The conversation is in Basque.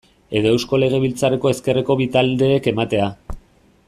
Edo Eusko Legebiltzarreko ezkerreko bi taldeek ematea.